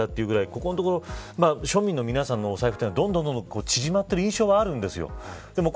ここのところ庶民の皆さんのお財布というのは縮まっている印象があります。